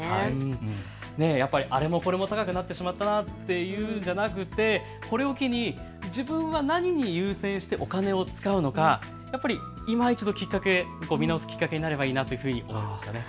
やっぱりあれもこれも高くなってしまったなというんじゃなくて、これを機に自分は何を優先にしてお金を使うのか、いま一度見直すきっかけになればいいなと思います。